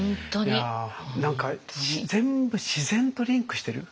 何か全部自然とリンクしてる。